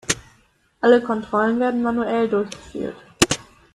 Alle Kontrollen werden manuell durchgeführt.